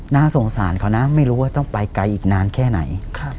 น่าสงสารเขานะไม่รู้ว่าต้องไปไกลอีกนานแค่ไหน